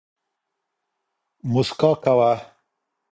موسکا کوه